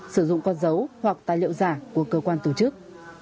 sử dụng con dấu hoặc tài liệu giả của cơ quan tổ chức